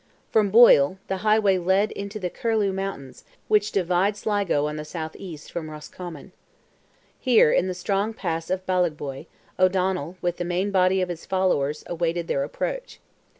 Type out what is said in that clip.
From Boyle, the highway led into the Curlieu mountains, which divide Sligo on the south east from Roscommon. Here, in the strong pass of Ballaghboy, O'Donnell with the main body of his followers awaited their approach.